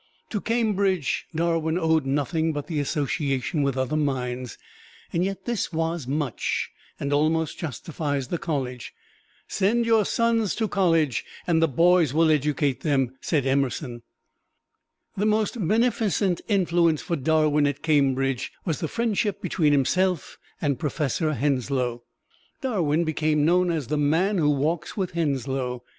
To Cambridge, Darwin owed nothing but the association with other minds, yet this was much, and almost justifies the college. "Send your sons to college and the boys will educate them," said Emerson. The most beneficent influence for Darwin at Cambridge was the friendship between himself and Professor Henslow. Darwin became known as "the man who walks with Henslow."